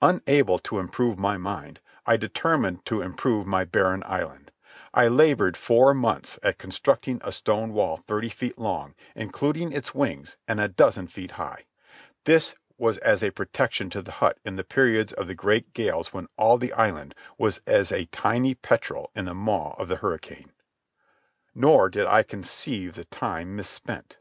Unable to improve my mind, I determined to improve my barren island. I laboured four months at constructing a stone wall thirty feet long, including its wings, and a dozen feet high. This was as a protection to the hut in the periods of the great gales when all the island was as a tiny petrel in the maw of the hurricane. Nor did I conceive the time misspent.